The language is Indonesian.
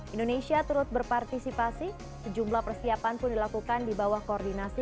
indonesia turut berpartisipasi sejumlah persiapan pun dilakukan di bawah koordinasi